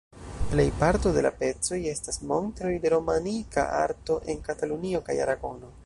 Plej parto de la pecoj estas montroj de romanika arto en Katalunio kaj Aragono.